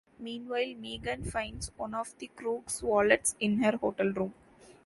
Meanwhile, Megan finds one of the crooks' wallets in her hotel room.